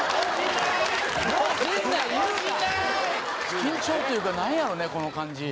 緊張というか、なんやろうね、この感じ。